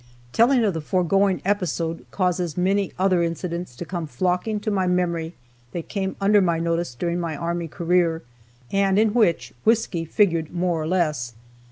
Telling of the foregoing episode causes many other incidents to come flocking to my memory that came under my notice during my army career, and in which whisky figured more or less.